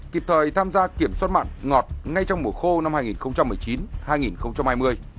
kịp thời tham gia kiểm soát mặn ngọt ngay trong mùa khô năm hai nghìn một mươi chín hai nghìn hai mươi